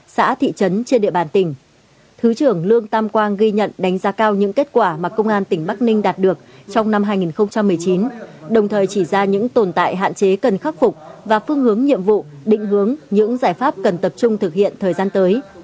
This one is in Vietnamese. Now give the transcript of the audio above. xã thị trấn trên địa bàn tỉnh thứ trưởng lương tam quang ghi nhận đánh giá cao những kết quả mà công an tỉnh bắc ninh đạt được trong năm hai nghìn một mươi chín đồng thời chỉ ra những tồn tại hạn chế cần khắc phục và phương hướng nhiệm vụ định hướng những giải pháp cần tập trung thực hiện thời gian tới